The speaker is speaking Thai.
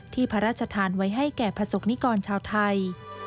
พระราชทานไว้ให้แก่ประสบนิกรชาวไทย